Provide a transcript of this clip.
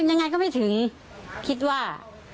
คิดว่ายังไงก็ไม่ถึงคิดว่า